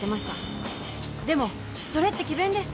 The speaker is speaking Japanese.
でもそれって詭弁です。